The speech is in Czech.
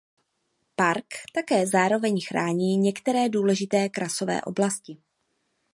Park také zároveň chrání některé důležité krasové oblasti.